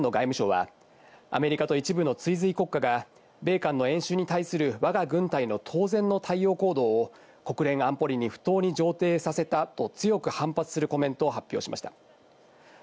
一方、今朝、北朝鮮の外務省はアメリカと一部の追随国家が米韓の演習に対する、わが軍隊の当然の対応行動を国連安保理に不当に上程させたと強く反発するコメントを発表しました。